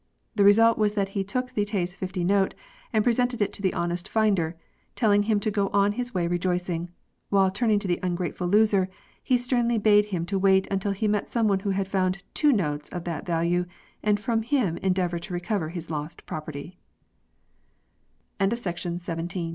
The result was that he took the Tls. 50 note and pre sented it to the honest finder, telling him to go on his way rejoicing ; while, turning to the ungrateful loser, he sternly bade him wait till he met some one who had found two notes of that value, and from him en deavour to recover his lost prop